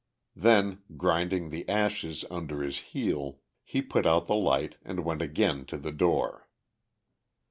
Then, grinding the ashes under his heel, he put out the light and went again to the door.